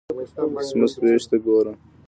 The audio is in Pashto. د قسمت ویش ته ګوره.